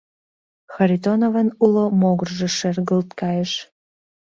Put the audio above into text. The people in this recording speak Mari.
Харитоновын уло могыржо шергылт кайыш.